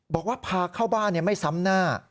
บอกว่าพาเข้าบ้านไม่ซ้ำหน้า